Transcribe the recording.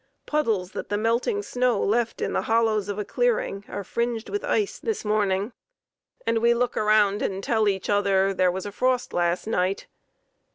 Puddles that the melting snow left in the hollows of the clearing are fringed with ice this morning, and we look around and tell each other, 'There was a frost last night.'